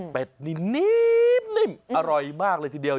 นิ่มอร่อยมากเลยทีเดียว